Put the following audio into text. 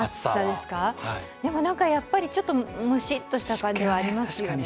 でも、やっぱりちょっとムシッとした感じはありますよね。